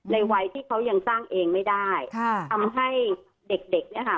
ในวัยที่เขายังสร้างเองไม่ได้ค่ะทำให้เด็กเด็กเนี่ยค่ะ